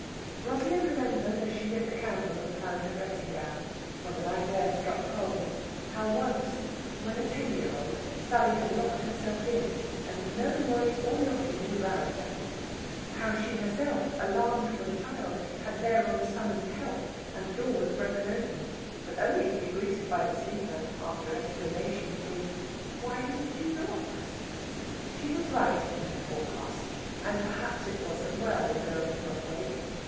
Rosalind remembered as she lit the candle and found her dressing gown for the night air struck cold how once, when a ten year old, Sally had locked herself in, and no noise or knocking would rouse her; how she herself, alarmed for the child, had thereon summoned help, and the door was broken open, but only to be greeted by the sleeper, after explanation, with, "Why didn't you knock?" She was right in her forecast, and perhaps it was as well the girl did not wake.